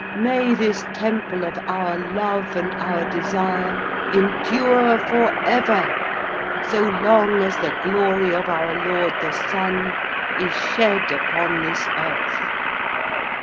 May this temple of our love and our desire endure for ever, so long as the glory of our Lord the Sun is shed upon this earth.